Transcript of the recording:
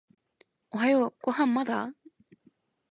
おはようご飯まだ？